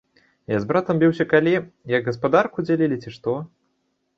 Я з братам біўся калі, як гаспадарку дзялілі, ці што?